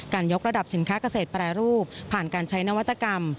ยกระดับสินค้าเกษตรแปรรูปผ่านการใช้นวัตกรรม